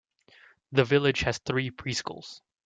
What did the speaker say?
The village has three Preschools.